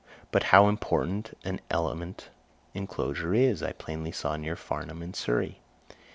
But how important an element enclosure is, I plainly saw near Farnham, in Surrey.